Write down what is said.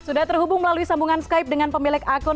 sudah terhubung melalui sambungan skype dengan pemilik akun